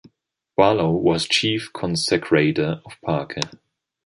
Barlow was chief consecrator of Parker.